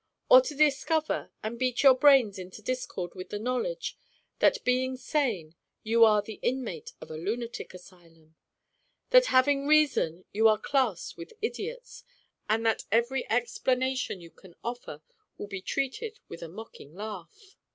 Or to discover, and beat your brains into discord with the knowledge, that being sane, you are the inmate of a lunatic asylum ; that, having reason, you are classed with idiots; and that every explanation you can offer will be treated with a mocking laugh